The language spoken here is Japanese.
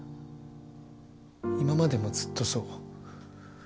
今までもずっとそう。